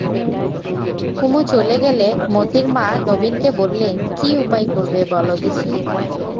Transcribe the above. কুমু চলে গেলে মোতির মা নবীনকে বললে, কী উপায় করবে বলো দেখি?